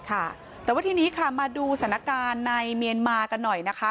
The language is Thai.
ค่ะแต่ว่าทีนี้ค่ะมาดูสถานการณ์ในเมียนมากันหน่อยนะคะ